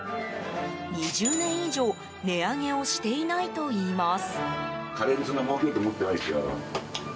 ２０年以上値上げをしていないといいます。